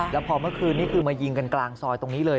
แล้วพอเมื่อคืนนี้คือมายิงกันกลางซอยตรงนี้เลย